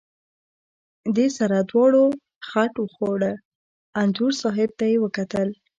دې سره دواړو خټ وخوړه، انځور صاحب ته یې وکتل.